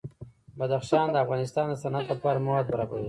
بدخشان د افغانستان د صنعت لپاره مواد برابروي.